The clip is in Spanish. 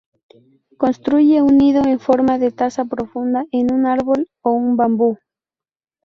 Construye un nido en forma de taza profunda, en un árbol o un bambú.